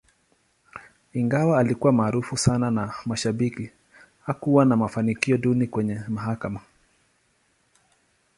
Ingawa alikuwa maarufu sana na mashabiki, hakuwa na mafanikio duni kwenye mahakama.